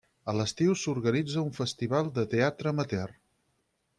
A l'estiu s'organitza un festival de teatre amateur.